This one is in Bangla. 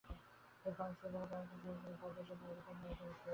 এই খড়ম ছাড়া জগতে তাহার আর-কিছুই নাই— পদসেবার অধিকারও হারাইতে বসিয়াছে।